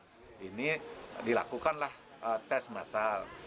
sehingga ini dilakukanlah tes massal